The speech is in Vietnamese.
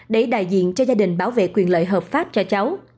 để đại diện cho gia đình bảo vệ quyền lợi hợp pháp cho cháu